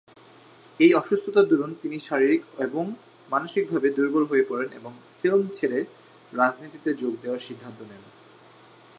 এই অসুস্থতার দরুন তিনি শারীরিক এবং মানসিকভাবে দুর্বল হয়ে পড়েন এবং ফিল্ম ছেড়ে রাজনীতিতে যোগ দেওয়ার সিদ্ধান্ত নেন।